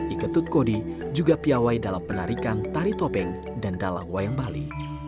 iketut kodi juga piawai dalam penarikan tari topeng dan dalang wayang bali